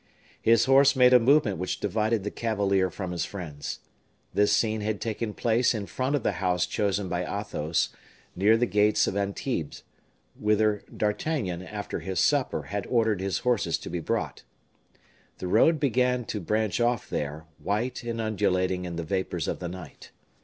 His horse made a movement which divided the cavalier from his friends. This scene had taken place in front of the house chosen by Athos, near the gates of Antibes, whither D'Artagnan, after his supper, had ordered his horses to be brought. The road began to branch off there, white and undulating in the vapors of the night.